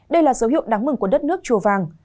đây là dấu hiệu đáng mừng của đất nước chùa vàng